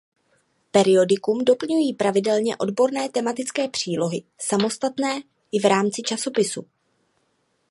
Periodikum doplňují pravidelně odborné tematické přílohy samostatné i v rámci časopisu.